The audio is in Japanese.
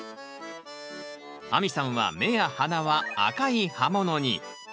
亜美さんは目や鼻は赤い葉ものに。